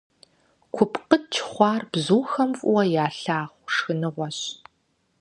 КупкъыкӀ хъуар бзухэм фӀыуэ ялъагъу шхыныгъуэщ.